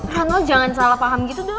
hano jangan salah paham gitu dong